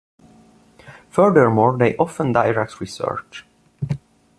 Furthermore they often direct research.